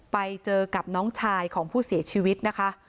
ไปเจอกับน้องชายของผู้เสียชีวิตนะคะ